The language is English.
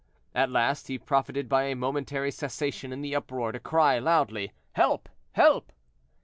At last he profited by a momentary cessation in the uproar to cry loudly, "Help! help!"